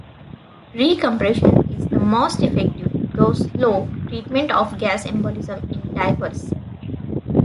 Recompression is the most effective, though slow, treatment of gas embolism in divers.